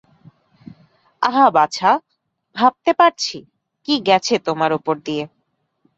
আহা বাছা, ভাবতে পারছি, কী গেছে তোমার ওপর দিয়ে।